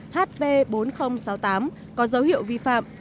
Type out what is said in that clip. hp bốn nghìn sáu mươi tám có dấu hiệu vi phạm